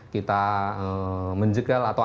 kita menjegal atau